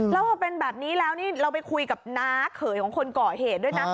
แล้วพอเป็นแบบนี้แล้วนี่เราไปคุยกับน้าเขยของคนก่อเหตุด้วยนะ